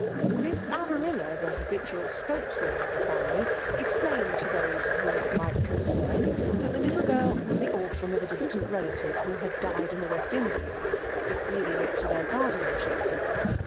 . Miss Avarilla, the habitual spokesAvoman of the family, explained to those whom it might concern, that the little girl was the orphan of a distant relative who had died in the West Indies, bequeathing it. to their g^trdianship.